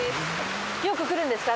よく来るんですか？